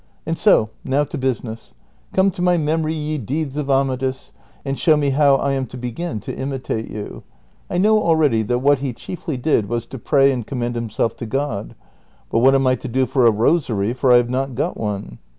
And so, now to business ; come to my memory ye deeds of Ama dis, and show me how I am to begin to imitate you. I knoAV already that what he chiefly did was to pray and commend him self to God ; but what am I to do for a rosary, for I have not got one